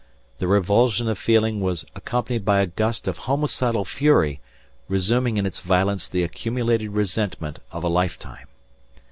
The revulsion of feeling was accompanied by a gust of homicidal fury resuming in its violence the accumulated resentment of a lifetime.